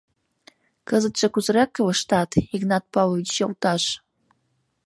Кызытше кузерак илыштат, Игнат Павлович йолташ?